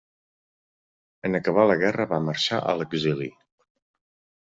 En acabar la guerra va marxar a l'exili.